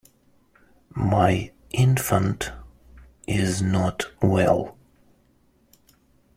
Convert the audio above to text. My infant is not well.